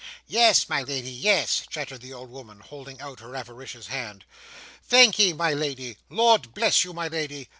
"Yes, my Lady, yes," chattered the old woman, holding out her avaricious hand. "Thankee, my Lady. Lord bless you, my Lady.